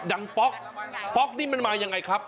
ดังป๊อกป๊อกนี่มันมาอย่างไรครับ